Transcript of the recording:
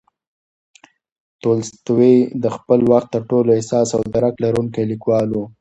تولستوی د خپل وخت تر ټولو حساس او درک لرونکی لیکوال و.